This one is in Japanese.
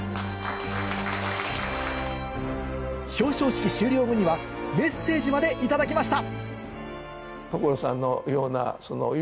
表彰式終了後にはメッセージまで頂きました